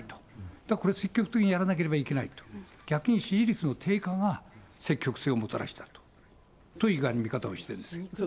だから積極的にやらなければいけないと、逆に支持率の低下が積極性をもたらしたという見方をしてるんですよ。